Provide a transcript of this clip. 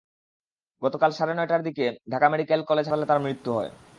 গতকাল রাত সাড়ে নয়টার দিকে ঢাকা মেডিকেল কলেজ হাসপাতালে তাঁর মৃত্যু হয়।